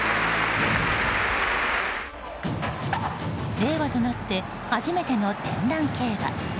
令和となって初めての天覧競馬。